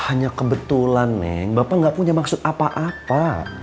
hanya kebetulan neng bapak nggak punya maksud apa apa